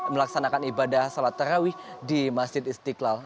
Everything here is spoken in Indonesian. melaksanakan ibadah sholat tarawih di masjid istiqlal